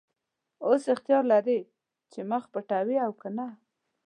اوس اختیار لرې چې مخ پټوې او که نه.